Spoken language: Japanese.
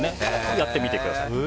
やってみてください。